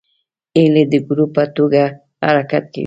هیلۍ د ګروپ په توګه حرکت کوي